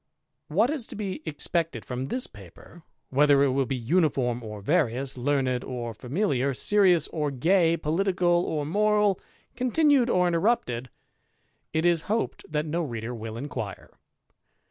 What is to be expected from this paper, whether it will be uniform or various, learned or familiar, serious or gay, political or moral, continued or interrupted, it is hoped that 278 THE IDLER, no reader will inquire.